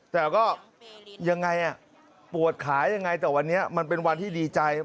แต่ก็ยังไงปวดขายังไงแต่วันนี้มันเป็นวันที่ดีใจ